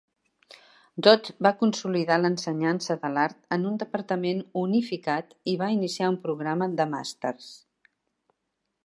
Dodd va consolidar l'ensenyança de l'art en un departament unificat i va iniciar un programa de màsters.